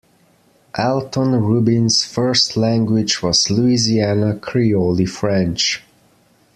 Alton Rubin's first language was Louisiana Creole French.